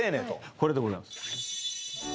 これでございます